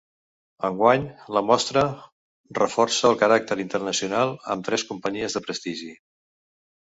Enguany la mostra reforça el caràcter internacional amb tres companyies de prestigi.